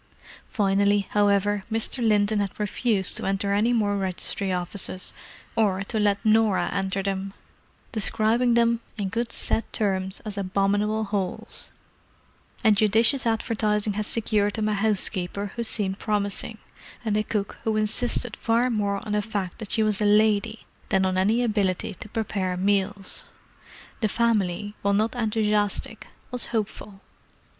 Finally, however, Mr. Linton had refused to enter any more registry offices or to let Norah enter them, describing them, in good set terms as abominable holes; and judicious advertising had secured them a housekeeper who seemed promising, and a cook who insisted far more on the fact that she was a lady than on any ability to prepare meals. The family, while not enthusiastic, was hopeful.